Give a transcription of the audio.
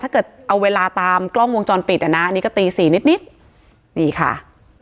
ถ้าเกิดเอาเวลาตามกล้องวงจรปิดอ่ะนะอันนี้ก็ตีสี่นิดนิดนี่ค่ะ